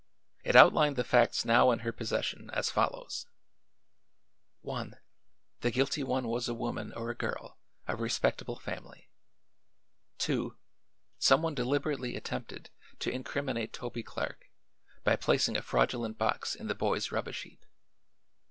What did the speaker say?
It outlined the facts now in her possession as follows: "1 The guilty one was a woman or a girl, of respectable family. 2 Some one deliberately attempted to incriminate Toby Clark by placing a fraudulent box in the boy's rubbish heap.